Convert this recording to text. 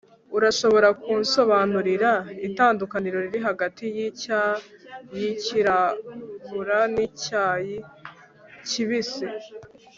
urashobora kunsobanurira itandukaniro riri hagati yicyayi cyirabura nicyayi kibisi